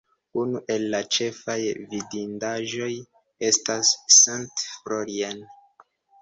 Unu el la ĉefaj vidindaĵoj estas St. Florian.